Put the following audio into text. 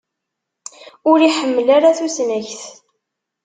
Ur iḥemmel ara tusnakt.